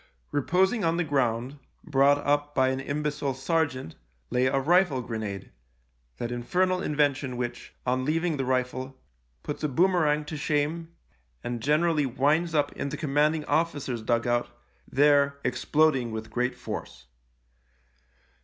Reposing on the ground—brought up by an imbecile sergeant' — lay a rifle grenade, that infernal invention which, on leaving the rifle, puts a boomerang to shame and generally winds up in the commanding officer's dug out, there exploding with great force.